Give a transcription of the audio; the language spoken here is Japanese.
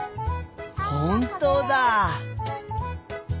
ほんとだ。